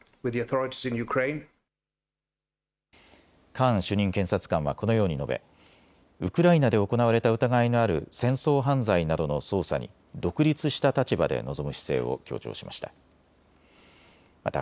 カーン主任検察官はこのように述べウクライナで行われた疑いがある戦争犯罪などの捜査に独立した立場で臨む姿勢を強調しました。